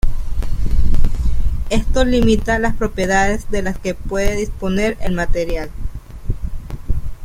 Esto limita las propiedades de las que puede disponer el material.